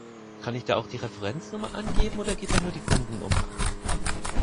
Kann ich da auch die Referenznummer angeben oder geht nur die Kundennummer?